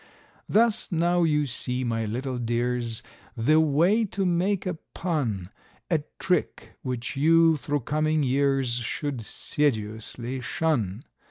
Thus now you see, my little dears, the way to make a pun; A trick which you, through coming years, should sedulously shun.